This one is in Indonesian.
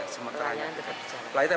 pelayanan tetap berjalan